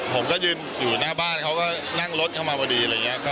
ผมก็ยืนอยู่หน้าบ้านเขาก็นั่งรถเข้ามาพอดี